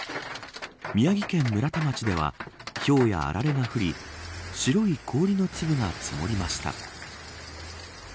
宮城県村田町ではひょうやあられが降り白い氷の粒が積もりました。